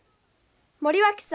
森脇さん